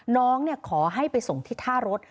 น้องขอให้ไปส่งที่ท่ารถ